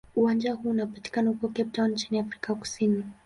Uwanja huu unapatikana huko Cape Town nchini Afrika Kusini.